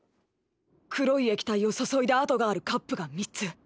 黒い液体を注いだ跡があるカップが３つ。